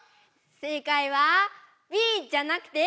正解はＢじゃなくてＤ！